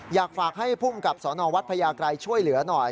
อยากฝากให้ภูมิกับสนวัดพญาไกรช่วยเหลือหน่อย